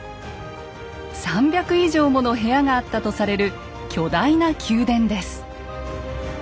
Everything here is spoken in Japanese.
３００以上もの部屋があったとされる巨大な宮殿です。